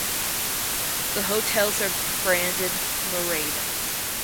The hotels are branded Mirada.